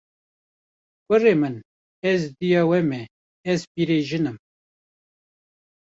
Kurê min, ez dêya we me, ez pîrejin im